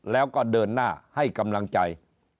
แล้วก็เดินหน้าให้กำลังใจ